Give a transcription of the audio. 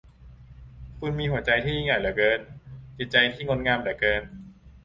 คุณมีหัวใจที่ยิ่งใหญ่เหลือเกิน จิตใจที่งดงามเหลือเกิน